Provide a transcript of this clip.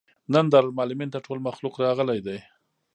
نن دارالمعلمین ته ټول مخلوق راغلى دی.